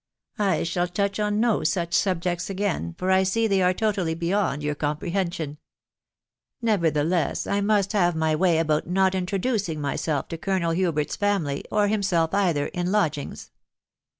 ... I shall touch oh no such subjects again, for I see they are totally beyond your •compre hension. Nevertheless, I must have my way about not intro ducing myself to Colonel Hubert's family, or himself either, in lodgings.